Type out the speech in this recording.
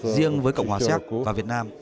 riêng với cộng hòa séc và việt nam